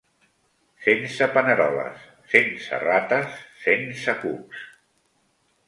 Sense paneroles, sense rates, sense cucs!